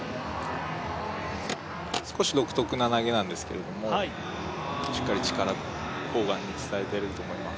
少し独特な投げなんですけど、しっかり力、砲丸に伝えていると思います。